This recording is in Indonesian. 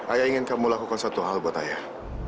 ayah ingin kamu lakukan satu hal buat ayah